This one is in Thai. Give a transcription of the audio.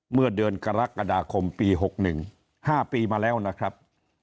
เมื่อเดือนกรกฎาคมปี๖๑๕ปีมาแล้วนะครับ